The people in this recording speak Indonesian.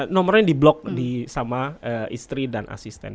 nomornya di blok sama istri dan asisten